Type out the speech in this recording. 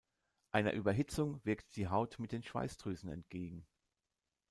Einer Überhitzung wirkt die Haut mit den Schweißdrüsen entgegen.